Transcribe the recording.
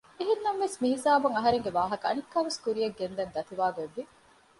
އެހެންނަމަވެސް މިހިސާބުން އަހަރެންގެ ވާހަކަ އަނެއްކާވެސް ކުރިއަށް ގެންދަން ދަތިވާގޮތް ވި